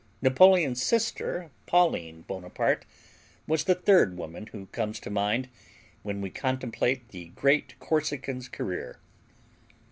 Napoleon's sister, Pauline Bonaparte, was the third woman who comes to mind when we contemplate the great Corsican's career.